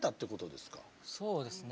そうですね。